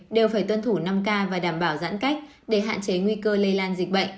đều phải tuân thủ năm k và đảm bảo giãn cách để hạn chế nguy cơ lây lan dịch bệnh